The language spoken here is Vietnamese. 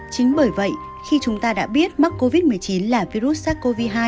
chính bởi vậy khi chúng ta đã biết mắc covid một mươi chín là virus sars cov hai